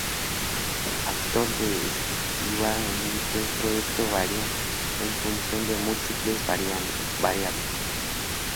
El factor de estiba de un producto varía en función de múltiples variables.